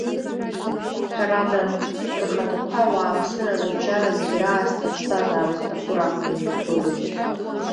Ҳәарада, рхаҭақәа, ауааԥсыра рыбжьара зегь раасҭа аԥсҭазаара зҭаху ракәны иуԥылоит.